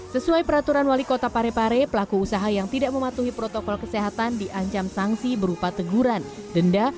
sesuai peraturan wali kota parepare pelaku usaha yang tidak mematuhi protokol kesehatan diancam sanksi berupa teguran denda